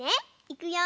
いくよ。